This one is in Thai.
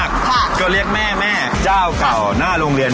ก็เรียกแม่เจ้าก่อน่าโรงเรียน